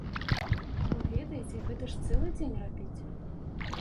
Бо ведаеце, гэта ж цэлы дзень рабіць!